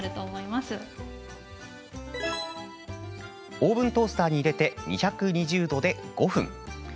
オーブントースターに入れて２２０度で５分。